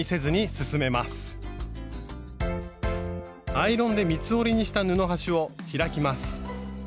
アイロンで三つ折りにした布端を開きます。